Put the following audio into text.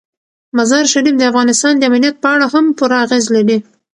مزارشریف د افغانستان د امنیت په اړه هم پوره اغېز لري.